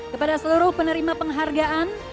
kepada seluruh penerima penghargaan